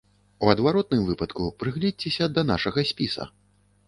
У адваротным выпадку прыгледзьцеся да нашага спіса.